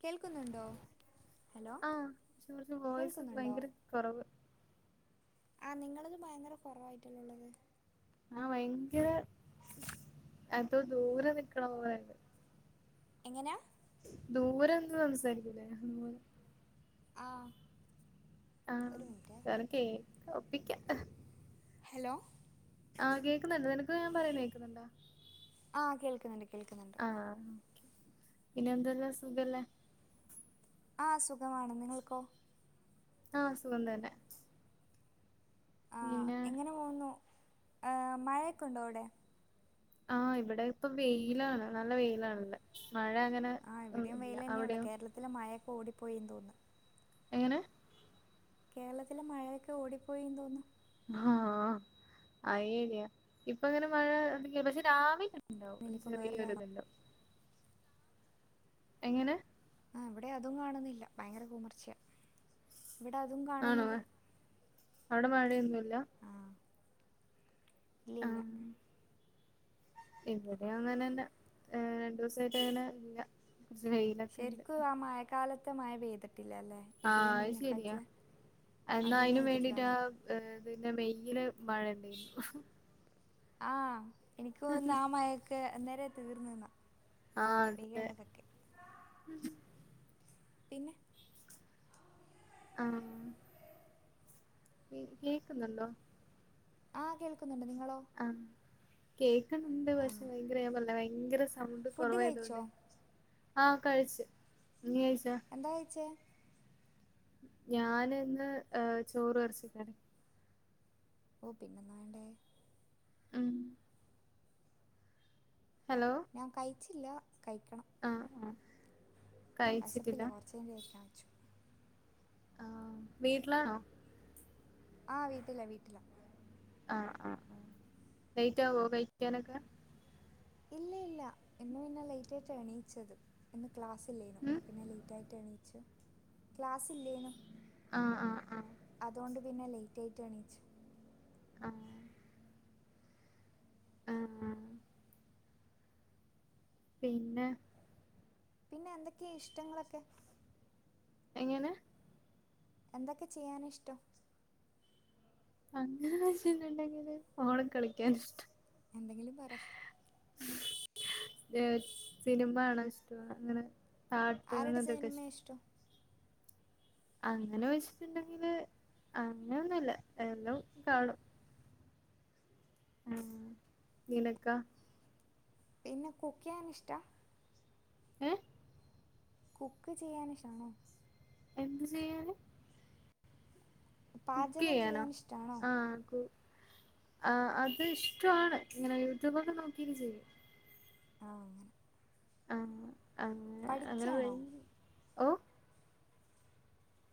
കേൾക്കുന്നുണ്ടോ ഹലോ ആഹ് [unintelligible] വോയ്സ് കേൾക്കുന്നുണ്ടോ ഭയങ്കര കുറവ് ആഹ് നിങ്ങളത് ഭയങ്കര കുറവായിട്ടല്ല ഉള്ളത് ആഹ് ഭയങ്കര എന്തോ ദൂരെ നിക്കണ പോലണ്ട് എങ്ങനാ ദൂരെ നിന്ന് സംസാരിക്കൂല്ലേ ദൂര ആഹ് ആഹ് നിനക്കേ വിക്കാ- ഹലോ ആഹ് കേക്കുന്നുണ്ട് നിനക്ക് ഞാൻ പറയുന്ന കേൾക്കുന്നുണ്ടാ ആഹ് കേൾക്കുന്നുണ്ട് കേൾക്കുന്നുണ്ട് ആഹ് പിന്നെ എന്തല്ലാം സുഖല്ലേ ആഹ് സുഖമാണ് നിങ്ങൾക്കോ ആഹ് സുഖം തന്നെ ആഹ് പിന്നെ എങ്ങനെ പോകുന്നു- ആഹ് മഴയൊക്കെണ്ടോ അവിടെ ആഹ് ഇവിടെ ഇപ്പൊ വെയിലാണ് നല്ല വെയിലാണിവിടെ മഴ അങ്ങനെ ഇല്ല അവിടെയും ഓടിപ്പോയെന്ന് തോന്നുന്നു എങ്ങനെ കേരളത്തിലെ മഴയൊക്കെ ഓടിപ്പോയിന്ന് തോന്നുന്നു ആഹ് അയില്ല ഇപ്പൊ ഇങ്ങനെ മഴ എന്തെങ്കി പക്ഷെ രാവിലെ ഉണ്ടാവും ഒരു ഇനിയിപ്പോ വേറെ കാലം ചെറിയൊരുതല്ലേ എങ്ങനെ ആ ഇവിടെ അതും കാണുന്നില്ല ഭയങ്കര കമർച്ചയ ഇവിടെ അതും ആണോ കാണുന്നില്ല അവിടെ മഴേനല്ലേ അല്ല ഇല്ല ഇല്ല ഇവിടെ അങ്ങനെന്നെ രണ്ട് ദിവസമായിട്ട് അങ്ങനെ ഇല്ല കുറച്ച് വെയിലൊക്കെ ഉണ്ട് ശരിക്ക് ആ മയക്കാലത്ത് ത്തെ മഴ പൈതി ആഹ് അത് ശെരിയാ എന്നാ അതൊന്നും അതിന് വേണ്ടിട്ടാ എഴുതിട്ടില്ലല്ലോ പിന്നെ മെയില് മഴ എന്തായിരുന്നു ആഹ് എനിക്ക്ന്നാ മഴൊക്കെ നേരെ തീർന്നുന്നാ ആഹ് അതെ പിന്നെ ആഹ് കേക്കുന്നുണ്ടോ ആഹ് കേൾക്ക ആ കേ ഉണ്ട് ആ പക്ഷെ ഭയങ്കര ഞാൻ പറഞ്ഞില്ലെ ഭയങ്കര സ സൗണ്ട് ഫുഡ് കഴിച്ചോ കുറവായതുണ്ടേ ആഹ് കഴിച്ച് നീ കഴിച്ചോ എന്താ കയിച്ചേ ഞാനിന്ന് ചോറും ഇറച്ചിക്കറീം ഓ പിന്നെന്നാ വേണ്ടേ? ഉം- ഹലോ ഞാൻ കൈ- ജില്ലാ കൈ ആഹ് ആഹ് - വെശപ്പില്ല കൊറച്ച് കയിഞ്ഞ് കയിക്കാൻ വെച്ചു- ആഹ് വീട്ടിലാണോ? ആഹ് വീട്ടലാ വീട്ടിലാ- ആഹ് ആഹ് ആഹ് ലെയിറ്റാവ്വോ കയിക്കാനൊക്കെ? ഇല്ലില്ല ഇന്ന് പിന്നെ ലേറ്റ് ആയിട്ട് എണീയിച്ചത്- ക്ലാസ്സില്ലേനു ഉം അപ്പംന്നെ ലേറ്റ ആയിട്ട എണീച്ചേ- ക്ലാസില്ലേനു- ആ ആ ആ അതുകൊണ്ട്- പിന്നലേറ്റായെണിച്ചു- ആഹ് - പിന്നെ- പിന്നെ എന്തൊക്കെയ ഇഷ്ടങ്ങളൊക്കെ- എങ്ങനെ- എന്തൊക്കെ ചെയ്യാനാ ഇഷ്ടം- അങ്ങനെ വെച്ചിണ്ടെങ്കില് ഓളി കളിക്കൻ ഇഷ്ടം- എന്തെങ്കിലും പറ- സിനിമാണോ ഇഷ്ടം അങ്ങനെ കാർട്ടുൺ ആരുടെ ഇതൊക്കെ സിനിമ ഇഷ്ടം അങ്ങനെ വെച്ചിട്ടുണ്ടെങ്കില് അങ്ങനൊന്നുംല്ല എല്ലാം കാണും ആഹ് നിനക്കാ പിന്നെ കുക്കെയ്യാൻ ഇഷ്ടാ ഏഹ് കുക്ക് ചെയ്യാൻ ഇഷാണോ എന്ത് ചെയ്യാന് കുക്ക് പാചകം ചെയ്യാനോ ചെയ്യാൻ ഇഷ്ടാണോ ആഹ് കു ആഹ് അത് ഇഷ്ടമാണ് ഇങ്ങനെ യൂട്യൂബൊക്കെ നോക്കി ചെയ്യും ആ അങ്ങനെ ആഹ് അങ്ങനെ അങ്ങനെ വ പഠിക്കുകയാണോ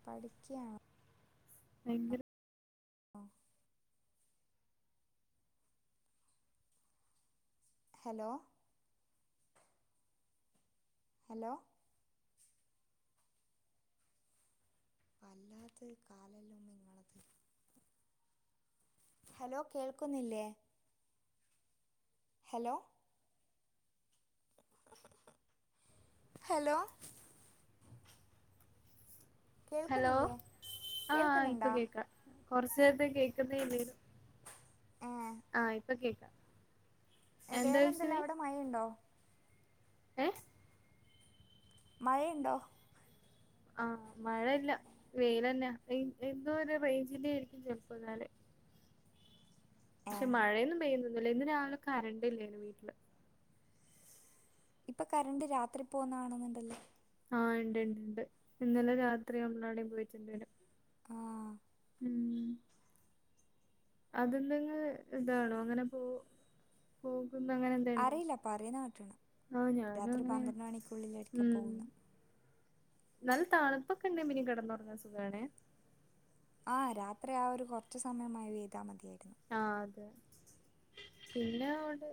പഠിക്കയാണോ ഭയങ്കര ആഹ് ഹലോ ഹലോ വല്ലാത കാലല്ലോ ഇങ്ങളത് ഹലോ കേൾക്കുന്നില്ലേ ഹലോ ഹലോ ഹലോ കേൾക്കുന്നില്ലേ ആഹ് ഇപ്പൊ കേൾക്കുന്നുണ്ടാ കേക്ക കുറച്ച നേരത്ത് കേക്കുന്നല്ലേ ആഹ ഇപ്പൊ കേക്കാം എന്താ വേറെന്തെല്ലാ അവിടെ മഴ ഉണ്ടോ ഏ മഴയുണ്ടോ ആഹ മഴയില്ല വെൽന്നെ എന്തോ ഒരു റേഞ്ചിലേ ആരിക്കും ചെിലപ്പോ എന്നാല് ഏ പക്ഷെ മഴയൊന്നും പെയ്യുന്നത് ഇന്ന് രാവിലെ കറണ്ട് ഇല്ലാണ് വീട്ടില് ഇപ്പൊ കറണ്ട് രാത്രി പോകുന്നാണുന്നുണ്ടല്ലേ ആഹ് ഉണ്ട് ഉണ്ട് ഉണ്ട് ഇന്നലെ രാത്രി നമ്മളടും പോയിട്ടുണ്ട വരും ആ ഉ അതെന്തെും ഇതാണോ അങ്ങനെ പോ പോ അറിയില്ലപ്പ പറയ ന നട്ടണം ആഹ് ഞാനും രാത്രി അങ്ങനെ പന്ത്രണ്ട് മണിക്കുള്ളിലടരിക്ക ഉം പോകുന്നു നല്ല താണുപ്പൊക്കെ ഉണ്ടേ പിിന കിടന്നുറഞ്ഞ സുഖണേ ആ രാത്രി ആ ഒരു കുറച്ച സമയമായി വീ്താൽ മതിയായിും ആഹ അതെ പിന്നെ അൊണ്ട്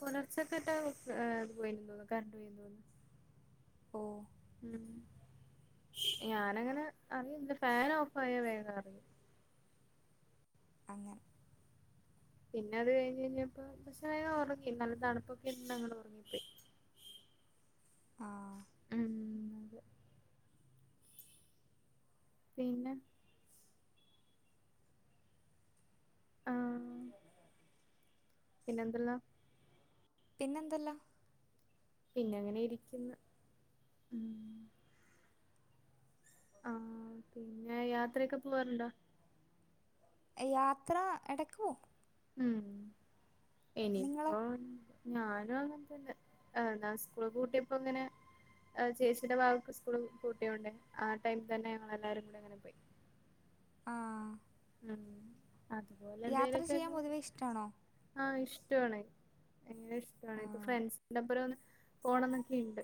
പുലർച്ചക്കെട്ടാ പോയി തോന്നുന്നു കറണ്ട് പോയിന്ന് തോന്നുന്നു ഓ ഞാനങ്ങനെ അറിയ ഫാൻ ഓഫ് ആായ വേഗം അറിയ അങ്ങെ പിന്നെ അത് കഴിഞ്ഞ് കഴിഞ്ഞപ്പോ പക്ഷെ വേന ഉറങ്ങി നല്ല തണുപ്പൊക്കെന്ന ഞങ്ങൾ ഉറങ്ങിപ്പോയി ആഹ ഉ അതെ പിന്നെ ആഹ് പിന്നെന്തല്ലാ പിന്നെന്തല്ലാ പിന്നെ അങ്ങനെ ഇരിക്കുന്ന ഉ ആഹ പിന്നെ യാത്രൊക്കെ പോവാറുണ്ടോ യാത്ര എടക്കൂ ഉം നി നിങ്ങളോ ആഹ ഞാനും അങ്ങനന്നെഞാൻ സ്കൂള് കൂട്ടിയപ്പോ ഇങ്ങനെ ചേച്ചിന്റെ ഭാഗക്ക് സ്കൂള് കൂട്ടിയോണ്ട് ആ ടൈമ തന്നെ ഞങ്ങ എല്ലാരും കൂ ഇങ്ങനെ പോയി ആ ഉം അതുപോലെ യാത്ര ചെയ്യാൻ എന്തെലുമൊക്കെ ഉ പൊതുവെ ഇഷ്ടമാണോ ആ ഇഷ്ടണ എങ്ങന ഇഷ്ടമാണ് ആ ഇപ്പ ഫ്രണ്ട്സിന്റെപ്പുറന്ന് പോണംന്നൊക്കെയുണ്ട്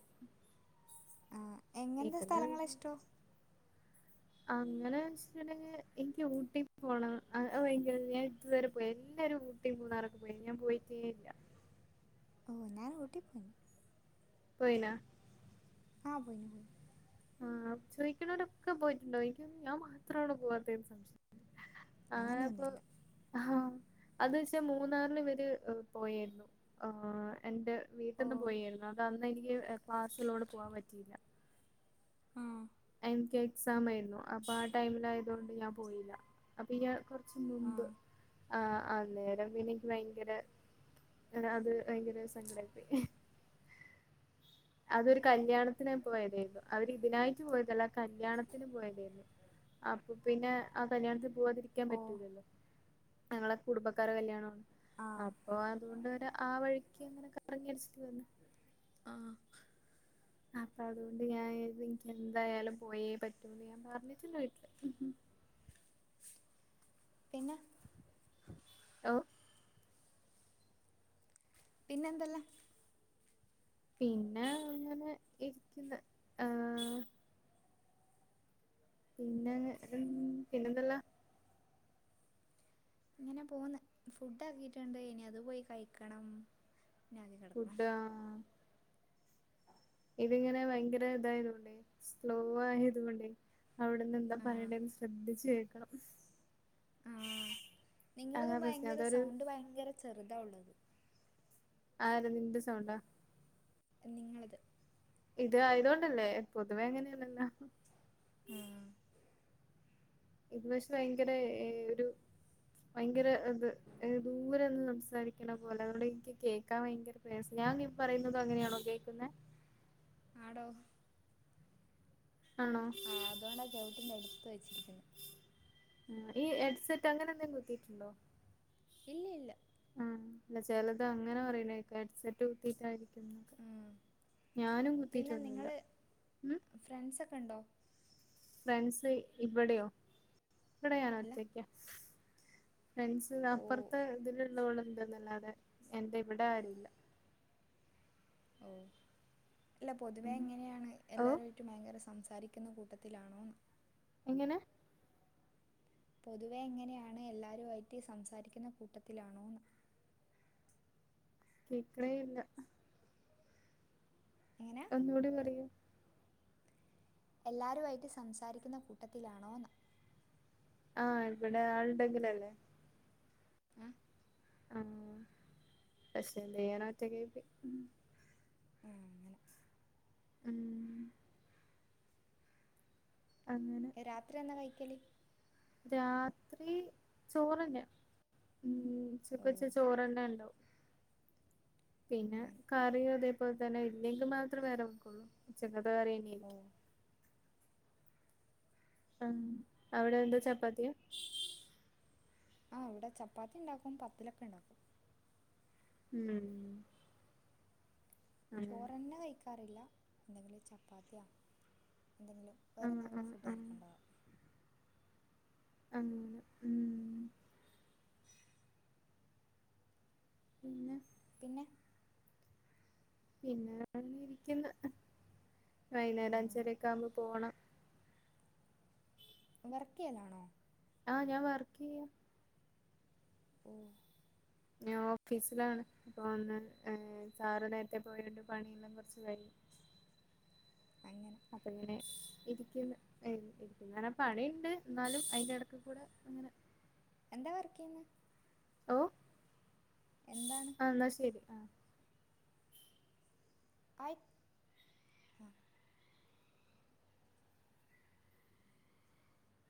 എങ്ങെന്താ സ്ഥലങ്ങള ഇഷ്ടോ അങ്ങനെ വെച്ചിട്ടുണ്ടെങ്കിൽ എനിക്ക് ഊട്ടി പോണം വൈങ്ക ഞാൻ ഇതുവരെ പോയി എല്ലാരും ഊട്ടി പോന്നാറൊക്കെ പോയി ഞാൻ പോയിട്ടേ ഇല്ല ഓ ഞാൻ ഊട്ടി പോയിനു പോയിനാ ആ പോയിനു ആ ചോദിക്കുണോരൊക്കെ പോയിട്ടുണ്ടോയിക്കു ഞാൻ മാത്രാണ പോവാത്തെന്ന് ആ അപ്പൊ അങ്ങനെയൊന്നുമില്ല ആഹ അത് വെച്ചാ മൂന്നാറിനിബര് പോയേരുന്നു. ആ എന്റെ ഓ വീട്ടന്ന് പോയേരുന്നു അത് അന്നെനിക്ക് ക്ലാസ്സിള്ളോടണ്ട് പോവാൻ പറ്റിയില്ല ആ എന്ക്ക് എക്സാമായ്രുന്നു. അപ്പൊ ആ ടൈമിലായതൊണ്ട് ഞാൻ പോയില്ല അപ്പൊ ആ ചുമുമ്പ് ആഹ അന്നേരം പിന്നെക്ക് ഭയങ്കര അത് ഭയങ്കര സങ്കടായ്പ്പോയി അതൊരു കല്യാണത്തിനായി പോയേരുന്നു അവര് ഇതിനായിട്ട് പോയതല്ല കല്യാണത്തിന് പോയതേന് അപ്പൊ പിന്നെ ആ കല്യാണത്തി പോവാതിരിക്കാൻ ഓ പറ്റൂലല്ലോ ഞങ്ങളെ കുടുംബക്കാരെ കല്യാണണ് ആ അപ്പൊ അതുകൊണ്ടര ആ വഴിക്ക് അങ്ങനെക്ക കറങ്ങിയടിച്ചിട്ട് വന്ന്‌ ആഹ് അപ്പൊ അതുകൊണ്ട് ഞാൻത് എനിക്ക് എന്തായാലും പോയേ പറ്റൂന്ന് ഞാൻ പറഞ്ഞിട്ടണ്ട് വീട്ടില് പിന്ന ഓ പിന്നെന്തല്ല പിന്നെ അങ്ങനെ ഇരിക്കുന്ന് ആ പിന്നെ ഉം പിന്നെന്തല്ലാ ഇങ്ങനെ പോന്ന് ഫുഡ്‌ ആക്കിട്ടുണ്ട് ഇനി അത് പോയി കഴിക്കണം ഞാൻ ആദ്യം കിടക്കണം ഫുഡാ ഇതിങ്ങനെ ഭയങ്കര ഇതായത്കൊണ്ടേ സ്ലോ ആയത് കൊണ്ടേ അവിടെന്ന് എന്താ ആ പറയെണ്ടെന്ന് ശ്രദ്ധിച്ചു കേക്കണം ആ അതാ നിങ്ങൾക്ക് പ്രശ്നം ഭയങ്കര അതൊരു സൗണ്ട് ഭയങ്കര ചെറുതാ ഉള്ളത് ആര നിന്റെ സൗണ്ടാ നിങ്ങളത് ഇത് ആയതൊണ്ടല്ലേ പൊതുവെ ങ്ങനെയല്ലല്ലാ ആ ഇത് പക്ഷേ ഭയങ്കര ഒരു ഭയങ്കര അത് ദൂര നിന്ന് സം സാരിക്കണ പോലെ അതൊണ്ട് എനിക്ക് കേക്കാൻ ഭയങ്കര പ്രയാസം ഞാനി പറയുന്നുതു അങ്ങനെയാണോ കേൾക്കുന്നെ ആണോ ആഹ് അതൊണ്ടാ ചെവിട്ടിന്റെ അടുത്ത് ഒത്ത് വച്ചിരിക്കുന്ന് ഈ ഹെഡ്സെറ്റ് അങ്ങനെ എന്തെങ്കിലും കുത്തീട്ടുണ്ടോ ഇല്ല ഇല്ല ആ അല്ല ചെലത് അങ്ങനെ പറയ്ന്നേക്കാം ഹെഡ്സെറ്റ് കുത്തിട്ടായിരിക്കു ആ ഞാനും പിന്നെ കുത്തീട്ടൊന്നും നിങ്ങൾ ഇല്ല ഉം ഫ്രണ്ട്സൊക്കെ ഉണ്ടോ ഫ്രണ്ട്സ് ഇവിടെയോ ഇവിടെ ഞാന് അല്ല ഒറ്റയ്ക്ക ഫ്രണ്ട്‌സ് ഓ അപ്പുറത്തെ ഇതില് ന്നോള്ണ്ട് ന്നല്ലാതെ എന്റെ ഇവിടെ ആരൂല്ല ഓ അല്ല പൊതുവെ ഉം എങ്ങനെയാണ് ഓ എല്ലാരുമായിട്ടും ഭയങ്കര സംസാരിക്കുന്ന കൂട്ടത്തിലാണോ ന്ന് എങ്ങനെ പൊതുവെ എങ്ങനെയാണ് എല്ലാവരുമായിട്ട് സംസാരിക്കുന്ന കൂട്ടത്തിലാണോന്ന് കേക്ണേ ഇല്ല എങ്ങനെ ഒന്നുകൂടി പറയു എല്ലാരും ആയിട്ട് സംസാരിക്കുന്ന കൂട്ടത്തിലാണോ ന്ന് ആ ഇവിടെ ആളിണ്ടെങ്കിലല്ലേ ആഹ് ആ പക്ഷെ എന്തയ്യാനാ ഒറ്റക്കായിപ്പോയി ഏ അങ്ങനെ ഉം അ രാത്രി എന്നാ കഴിക്കല് രാത്രി ചോറ ന്നെ ഊം ഓ ഉച്ചക്വെച്ച ചോറന്നെ ഉണ്ടാവും പിന്നെ അങ്ങനെ കറിയു അതെ ഇപ്പ തന്നെ ഇല്ലെങ്കിൽ മാത്രേ വേറെ വെക്കൊള്ളൂ ഉച്ചക്ക ത്തെ ഓ കറിയന്നായിരിക്കും ആം അവിടെ എന്താ ചപ്പാത്തിയാ ആഹ് ഇവിടെ ചപ്പാത്തി ഉണ്ടാക്കും പത്തലൊക്കെ ഉണ്ടാക്കും ഉം അങ്ങനെ ചോറ ന്നെ കഴി ക്കാറില എന്തെങ്കിലും ചപ്പാത്തിയാ എന്തെങ്കിലും വേറെ ആഹ് എന്തെങ്കിലും ആഹ് ഫുഡ് ആഹ് ആയിരിക്കും ഉണ്ടാവ അങ്ങനെ ഊം പിന്നെ പിന്നെ പിന്നെ അങ്ങിരിക്കുന്ന് വൈന്നേരം അഞ്ചരക്കാവുമ്പോ പോണം വർക്കയ്യലാണോ ആഹ് ഞാൻ വർക്ക് ചെയ്യാ ഓ ഞാൻ ഓഫീസിലാണ് അപ്പൊ ഒന്ന് സാറ് നേരത്തെ പോയോണ്ട് പണിയെല്ലാം കുറച്ച് കഴിയും അങ്ങനെ അപ്പ ഇങ്ങനെ ഇരിക്കുന്നു ഇരിക്കുന്നു ഞാന പണിണ്ട് എന്നാലും അതിന്റെ ഇടക്ക് കൂടെ അങ്ങനെ എന്താ വർക്ക് ചെയ്യന്നെ ഓഹ് എന്നാ ശരി ആഹ് ആയി